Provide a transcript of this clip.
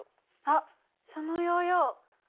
あっそのヨーヨー。